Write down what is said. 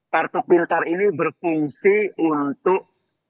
kartu pintar ini berfungsi untuk